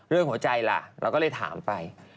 เรื่องหัวใจล่ะเราก็เลยถามไป